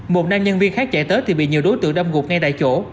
một nam nhân viên khác chạy tới thì bị nhiều đối tượng đâm gục ngay tại chỗ